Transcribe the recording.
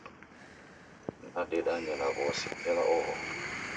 Nadedanya na w'ose, ela oho.